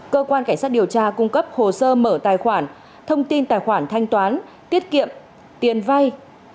cơ quan cảnh sát điều tra cung cấp hồ sơ mở tài khoản thông tin tài khoản thanh toán tiết kiệm tiền vay